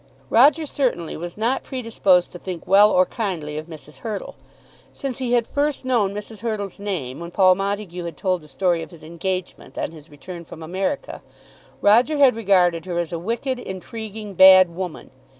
Roger certainly was not predisposed to think well or kindly of Mrs. Hurtle. Since he had first known Mrs. Hurtle's name, when Paul Montague had told the story of his engagement on his return from America, Roger had regarded her as a wicked, intriguing, bad woman.